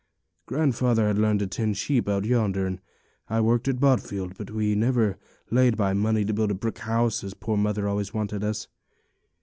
Grandfather had learned to tend sheep out yonder, and I worked at Botfield; but we never laid by money to build a brick house, as poor mother always wanted us.